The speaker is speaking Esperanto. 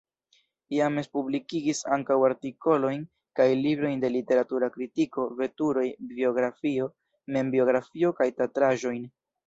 James publikigis ankaŭ artikolojn kaj librojn de literatura kritiko, veturoj, biografio, membiografio kaj teatraĵojn.